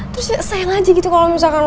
terus sayang aja gitu kalo misalkan lo gak ada